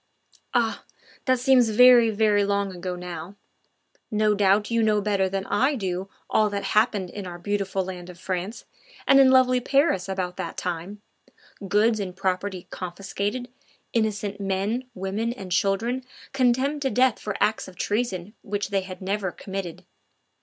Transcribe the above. Ah! that seems very, very long ago now. No doubt you know better than I do all that happened in our beautiful land of France and in lovely Paris about that time: goods and property confiscated, innocent men, women, and children condemned to death for acts of treason which they had never committed.